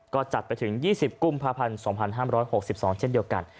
ก็จัดไปถึงยี่สิบกุมภาพันธ์สองพันห้ามร้อยหกสิบสองเช่นเดียวกัน